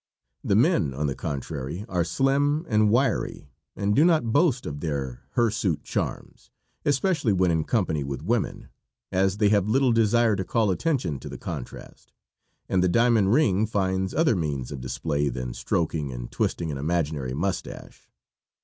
The men, on the contrary, are slim and wiry, and do not boast of their hirsute charms, especially when in company with women, as they have little desire to call attention to the contrast, and the diamond ring finds other means of display than stroking and twisting an imaginary mustache.